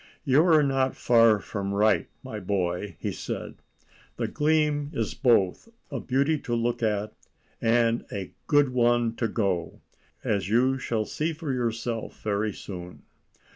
"You are not far from right, my boy," said he. "The Gleam is both a beauty to look at and a good one to go, as you shall see for yourself very soon."